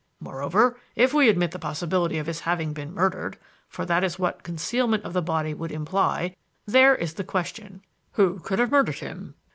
Moreover, if we admit the possibility of his having been murdered for that is what concealment of the body would imply there is the question: 'Who could have murdered him?'